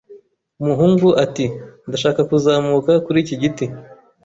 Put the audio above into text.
Umuhungu ati: "Ndashaka kuzamuka kuri iki giti."